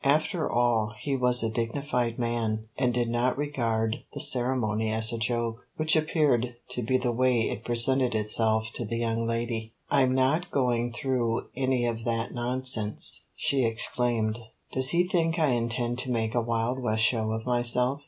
After all, he was a dignified man and did not regard the ceremony as a joke, which appeared to be the way it presented itself to the young lady. "I'm not going through any of that nonsense," she exclaimed. "Does he think I intend to make a Wild West show of myself?